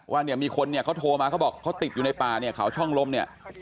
ว่าเนี่ยมีคนเนี่ยเขาโทรมาเขาบอกเขาติดอยู่ในป่าเนี่ยเขาช่องลมเนี่ย